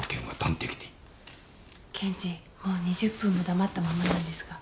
検事もう２０分も黙ったまんまなんですが。